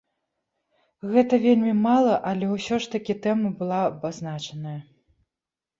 Гэта вельмі мала, але ўсё ж такі тэма была абазначаная.